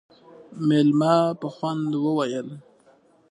مېلمه په خوند وويل: